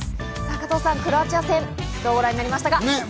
加藤さん、クロアチア戦ご覧になりましたか？